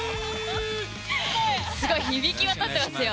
すごい響き渡ってますよ。